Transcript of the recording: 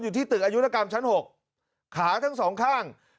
ที่ตึกอายุรกรรมชั้น๖ขาทั้งสองข้าง